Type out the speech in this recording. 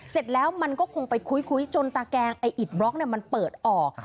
เสร็จแล้วมันก็คงไปคุยจนตะแกงไอ้อิดบล็อกมันเปิดออก